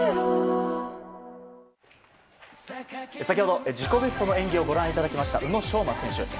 先ほど自己ベストの演技をご覧いただきました宇野昌磨選手。